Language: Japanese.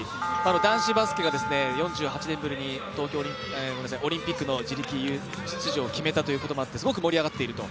男子バスケが４８年ぶりにオリンピックの自力出場を決めたということもあってすごく盛り上がっていると。